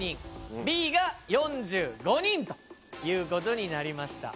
Ｂが４５人ということになりました。